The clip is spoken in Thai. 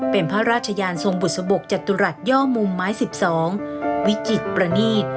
เป็นพระราชยานทรงบุษบกจตุรัสย่อมุมไม้๑๒วิจิตประนีต